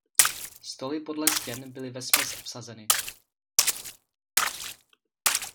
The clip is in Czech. Stoly podle stěn byly vesměs obsazeny.